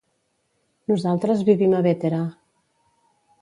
Nosaltres vivim a Bétera.